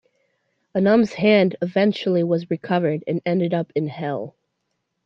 Anum's hand eventually was recovered and ended up in Hell.